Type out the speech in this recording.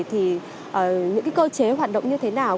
thì những cơ chế hoạt động như thế nào